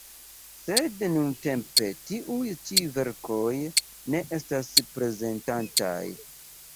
Sed nuntempe tiuj ĉi verkoj ne estas prezentataj.